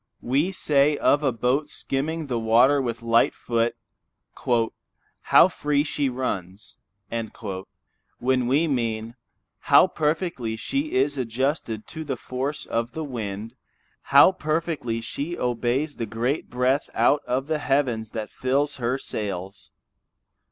We say of a boat skimming the water with light foot, "How free she runs," when we mean, how perfectly she is adjusted to the force of the wind, how perfectly she obeys the great breath out of the heavens that fills her sails.